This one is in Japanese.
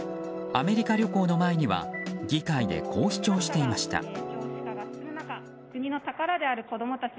アメリカ旅行の前には議会で、こう主張していました。